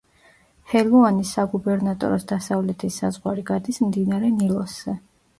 ჰელუანის საგუბერნატოროს დასავლეთის საზღვარი გადის მდინარე ნილოსზე.